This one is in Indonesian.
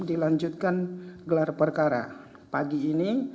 dilanjutkan gelar perkara pagi ini